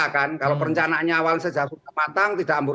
kalau perencanaannya awal saja sudah matang tidak amburadul